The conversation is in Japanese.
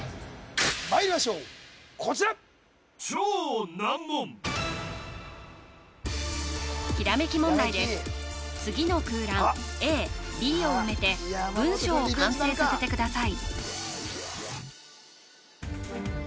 まいりましょうこちら次の空欄Ａ・Ｂを埋めて文章を完成させてください